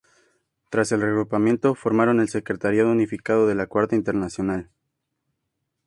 Tras el reagrupamiento formaron el Secretariado Unificado de la Cuarta Internacional.